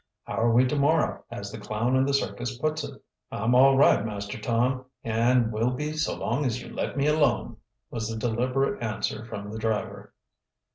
"How are we to morrow, as the clown in the circus puts it?" "I'm all right, Master Tom an' will be so long as you let me alone," was the deliberate answer from the driver.